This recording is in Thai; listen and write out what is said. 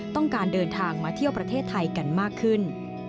ต้องการเดินทางมาเที่ยวประเทศไทยกันมากขึ้น